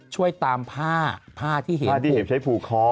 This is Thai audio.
ช่วยตามผ้าผ้าที่เห็มใช้ผูกคอ